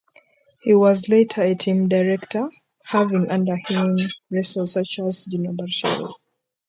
He was later a team director, having under him racers such as Gino Bartali.